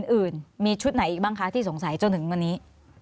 อื่นมีชุดไหนอีกบ้างคะที่สงสัยจนถึงวันนี้